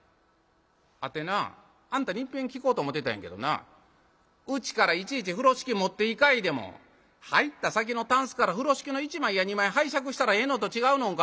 「あてなぁあんたにいっぺん聞こうと思てたんやけどなうちからいちいち風呂敷持っていかいでも入った先のたんすから風呂敷の一枚や二枚拝借したらええのと違うのんか？」。